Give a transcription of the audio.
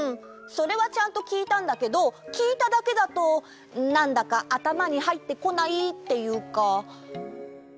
それはちゃんときいたんだけどきいただけだとなんだかあたまにはいってこないっていうか。